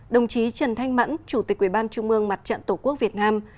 đồng chí trần thanh mẫn chủ tịch quỹ ban trung mương mặt trận tổ quốc việt nam